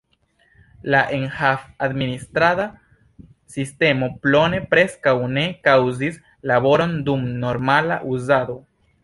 La enhav-administrada sistemo Plone preskaŭ ne kaŭzis laboron dum normala uzado.